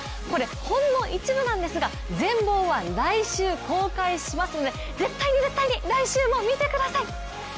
これほんの一部なんですが、全貌は来週公開しますので絶対に、絶対に、来週も見てください。